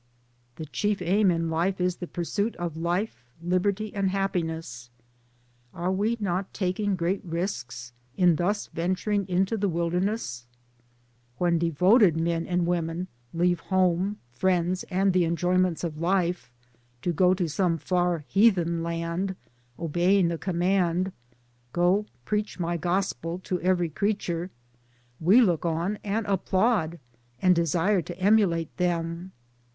'" "The chief aim in life is the pursuit of life, liberty, and happiness." Are we not taking great risks, in thus venturing into the wilder ness ? When devoted men and women leave home, friends and the enjoyments of life to 2 DAYS ON THE ROAD. go to some far heathen land, obeying the command : Go, preach my Gospel, to every creature," we look on and applaud and de sire to emulate them.